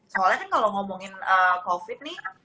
soalnya kan kalau ngomongin covid nih